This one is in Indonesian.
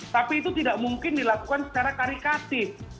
tapi itu tidak mungkin dilakukan secara karikatif